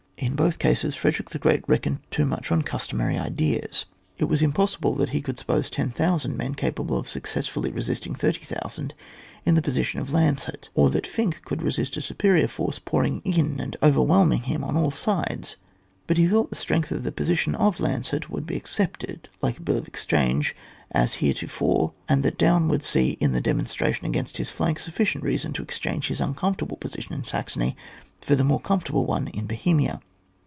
In both cases Frederick the Great reckoned too much on customary ideas. It was impossible that he could suppose 10,000 men capable of successfully resist ing 30,000 in the position of Landshut, or that Fink could resist a superior force pouring in and overwhelming him on all sides ; but he thought the strength of the position of Landshut would be accepted, like a bill of exchange, as heretofore, and that Daun would see in the demonstra tion against his flank sufficient reason to exchange his uncomfortable position in Saxony for the more comfortable one in Bohemia.